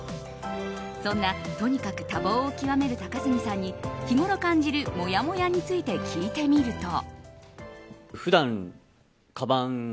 そんな、とにかく多忙を極める高杉さんに日ごろ感じるもやもやについて聞いてみると。